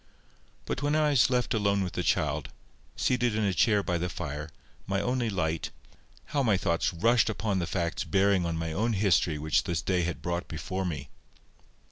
But when I was left alone with the child, seated in a chair by the fire, my only light, how my thoughts rushed upon the facts bearing on my own history which this day had brought before me!